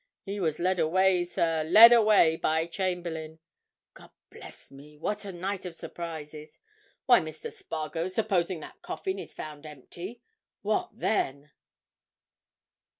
He was led away, sir, led away by Chamberlayne. God bless me, what a night of surprises! Why, Mr. Spargo, supposing that coffin is found empty—what then?"